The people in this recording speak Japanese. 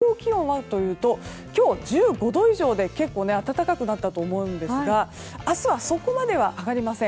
そして日中の最高気温はというと今日、１５度以上で結構暖かくなったと思うんですが明日はそこまでは上がりません。